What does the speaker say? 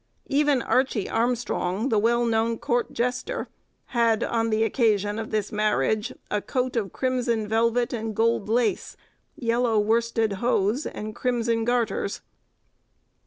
Even Archie Armstrong, the well known court jester, had, on the occasion of this marriage, a coat of crimson velvet and gold lace, yellow worsted hose, and crimson garters.